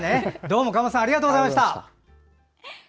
どうも、川本さんありがとうございました。